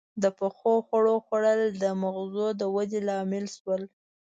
• د پخو خوړو خوړل د مغزو د ودې لامل شول.